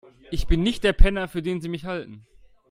Ich bin nicht der Penner, für den Sie mich halten.